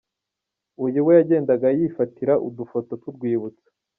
Uyu we yagendaga yifatira udufoto tw’urwibutso.